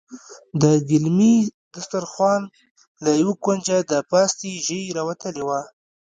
د ګيلمي دسترخوان له يوه کونجه د پاستي ژۍ راوتلې وه.